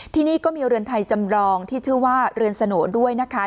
ที่นี่ก็มีเรือนไทยจำรองที่ชื่อว่าเรือนสโหน่ด้วยนะคะ